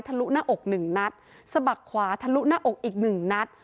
ลุหน้าอกหนึ่งนัดสะบักขวาทะลุหน้าอกอีกหนึ่งนัด